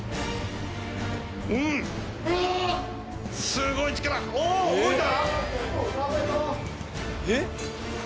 すごい力おお動いた？